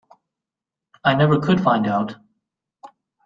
I never could find out.